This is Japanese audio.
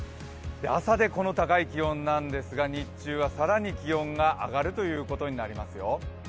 朝で、この高い気温なんですが、日中は更に気温が上がるということになりますよ。